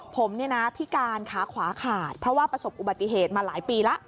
ผมเนี่ยนะพิการขาขวาขาดเพราะว่าประสบอุบัติเหตุมาหลายปีแล้ว